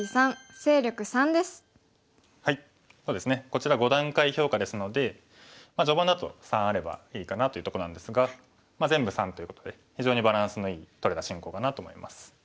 こちら５段階評価ですので序盤だと３あればいいかなというとこなんですが全部３ということで非常にバランスのいいとれた進行かなと思います。